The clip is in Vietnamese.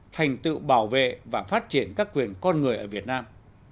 thành tựu bảo vệ và phát triển các quyền con người ở việt nam